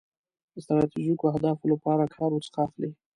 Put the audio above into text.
د ستراتیژیکو اهدافو لپاره کار ورڅخه اخلي.